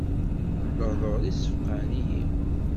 Lehduṛ-is ssfeqɛen-iyi.